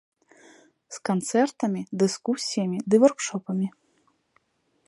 З канцэртамі, дыскусіямі ды воркшопамі.